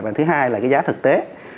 và thứ hai là cái giá thực tế